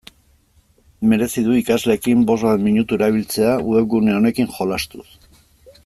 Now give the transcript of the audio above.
Merezi du ikasleekin bost bat minutu erabiltzea webgune honekin jolastuz.